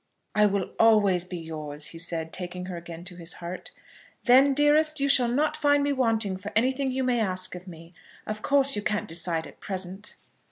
"I will always be yours," he said, taking her again to his heart. "Then, dearest, you shall not find me wanting for anything you may ask of me. Of course you can't decide at present."